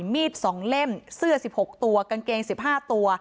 มีด๒เล่มเสื้อ๑๖ตัวกางเกง๑๕ตัว